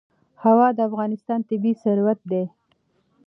هوا د افغانستان طبعي ثروت دی.